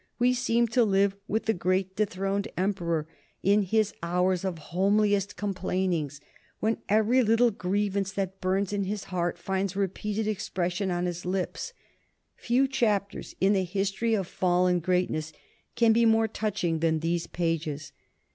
We seem to live with the great dethroned Emperor in his hours of homeliest complainings, when every little grievance that burns in his heart finds repeated expression on his lips. Few chapters in the history of fallen greatness can be more touching than these pages.